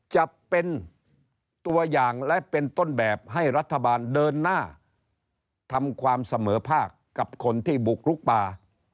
จะเป็นตัวอย่างและเป็นต้นแบบให้รัฐบาลเดินหน้าทำความเสมอภาคกับคนที่บุกลุกป่า